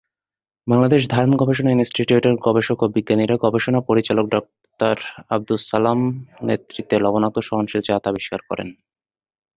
বাংলাদেশ ধান গবেষণা ইনস্টিটিউট এর গবেষক ও বিজ্ঞানীরা গবেষণা পরিচালক ডাক্তার আব্দুস সালাম নেতৃত্বে লবণাক্ত সহনশীল জাত আবিষ্কার করেন।